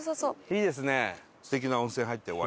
いいですね。